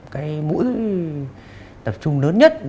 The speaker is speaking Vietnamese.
cái mũi tập trung lớn nhất